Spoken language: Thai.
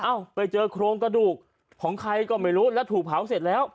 ไปเจอโครงกระดูกของใครก็ไม่รู้แล้วถูกเผาเสร็จแล้ว